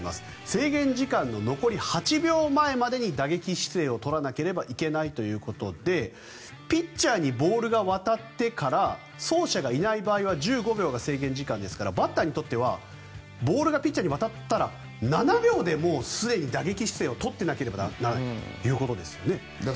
制限時間の残り８秒前までに打撃姿勢を取らなければいけないということでピッチャーにボールが渡ってから走者がいない場合は１５秒が制限時間ですからバッターにとってはボールがピッチャーに渡ったら７秒ですでに打撃姿勢を取ってなければならないということですよね。